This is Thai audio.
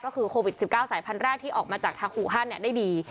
ก็คือโควิด๑๙สายพันธุ์แรกที่ออกมาจากทางอูฮันได้ดี